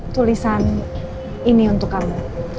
tulisan ini untuk kamu